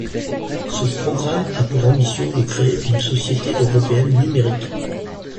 Ce programme a pour ambition de créer une société européenne numérique.